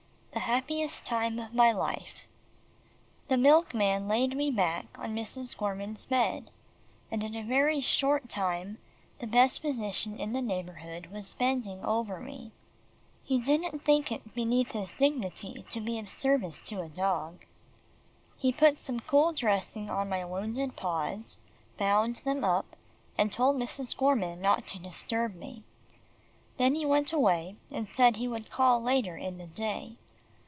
THE HAPPIEST TIME OF MY LIFE The milkman laid me back on Mrs. Gorman's bed, and in a very short time, the best physician in the neighbourhood was bending over me. He didn't think it beneath his dignity to be of service to a dog. He put some cool dressing on my wounded paws, bound them up, and told Mrs. Gorman not to disturb them. Then he went away, and said he would call later in the day.